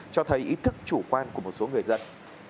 cho thấy ý thức chủ quan của một số người dân